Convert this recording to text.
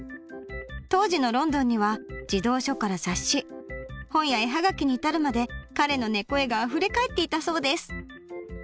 当時のロンドンには児童書から雑誌本や絵葉書に至るまで彼のねこ絵があふれかえっていたそうです。